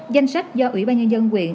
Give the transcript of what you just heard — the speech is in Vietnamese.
danh sách do ủy ban nhân dân quyền